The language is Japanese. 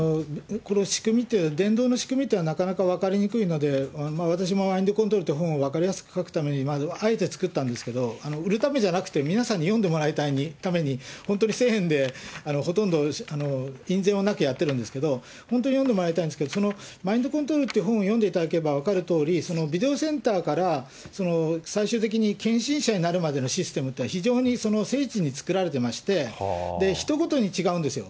この仕組み、伝道の仕組みというのはなかなか分かりにくいので、私もマインドコントロールっていう本を分かりやすく書くために、あえて作ったんですけれども、売るためじゃなくて、皆さんに読んでもらいたいために、本当に１０００円でほとんど印税もなくやってるんですけど、本当に読んでもらいたいんですけど、マインドコントロールという本を読んでいただければ分かるとおり、そのビデオセンターから最終的に近親者になるまでのシステムって、非常に精緻に作られてまして、人ごとに違うんですよ。